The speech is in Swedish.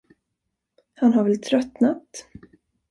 Han har väl tröttnat.